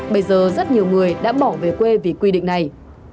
bây giờ rất nhiều người đã bỏ về quê vì quy định này